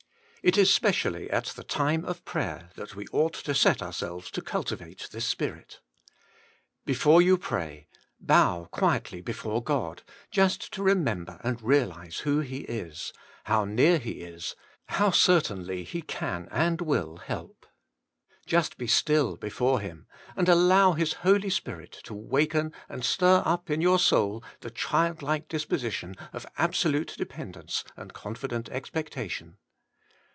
It is specially at the time of prayer that we ought to set ourselves to cultivate this spirit. Before you pray, bow quietly before God, just to remember and realise who He is, how near He is, how certainly He can and will help. Just be still before Him, and allow His Holy Spirit to waken and stir up in your soul the child like disposition of absolute dependence and confident expectation.